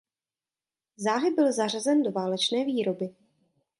Záhy byl zařazen do válečné výroby.